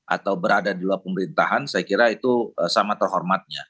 atau berada di luar pemerintahan saya kira itu sama terhormatnya